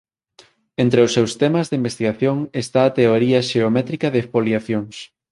Entre os seus temas de investigación está a teoría xeométrica de foliacións.